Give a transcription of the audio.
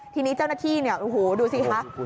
ทีนี้เจ้าหน้าที่ดูสิฮะ